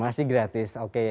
masih gratis oke